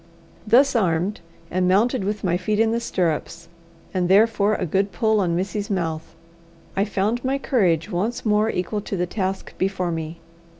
Thus armed, and mounted with my feet in the stirrups, and therefore a good pull on Missy's mouth, I found my courage once more equal to the task before me.